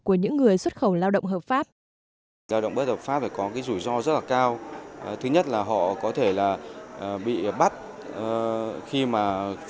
của những người xuất khẩu lao động hợp pháp